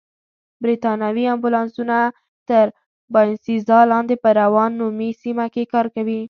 بریتانوي امبولانسونه تر باینسېزا لاندې په راون نومي سیمه کې کار کوي.